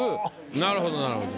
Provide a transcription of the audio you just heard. なるほどなるほど。